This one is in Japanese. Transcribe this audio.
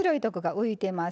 浮いてますね。